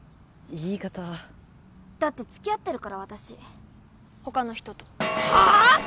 言い方だって付き合ってるから私他の人とはあっ！？